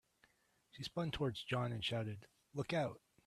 She spun towards John and shouted, "Look Out!"